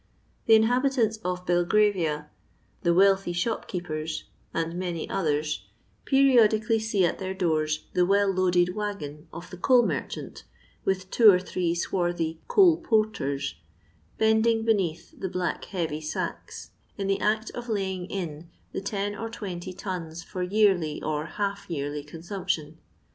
The inhabit ants of Belgravia, the wealthy shopkeepers, and many others periodically see at their doors the well loaded waggon of the coal merchant, with two or tliree swarthy " coal porters " bending beneath the black heavy sacks, in the act of Uying in the 10 or 20 tons for yearly or half yearly consump tion.